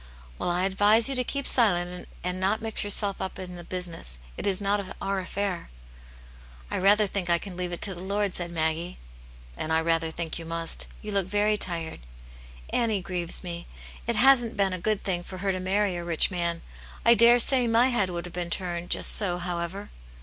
" Well, I advise you to keep silent, and not mix yourself up in the business. It \s tio\. o>yt ^fiiair," Aunt Jane's Hero. 1 87 " I rather think I can leave it to the Lord/* said Maggie. "And I rather think you must. You look very tired." " Annie grieves me. It hasn't been a good thing for her to marry a rich man. I daresay my head would have been turned just so, however."